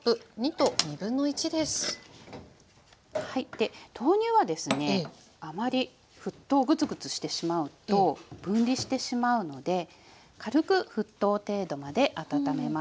で豆乳はですねあまり沸騰をグツグツしてしまうと分離してしまうので軽く沸騰程度まで温めます。